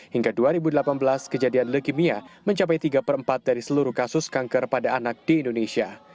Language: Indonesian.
hingga dua ribu delapan belas kejadian leukemia mencapai tiga per empat dari seluruh kasus kanker pada anak di indonesia